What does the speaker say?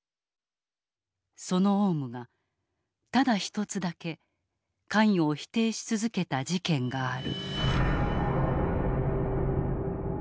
そのオウムがただ一つだけ関与を否定し続けた事件がある。